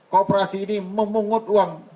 kooperasi ini memungut uang